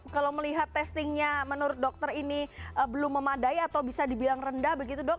kalau melihat testingnya menurut dokter ini belum memadai atau bisa dibilang rendah begitu dok